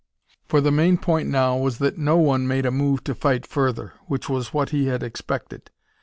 For the main point now was that no one made a move to fight further, which was what he had expected.